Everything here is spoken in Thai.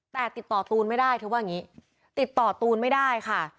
แต่ติดต่อตูนไม่ได้เธอว่าอย่างนี้ติดต่อตูนไม่ได้ค่ะ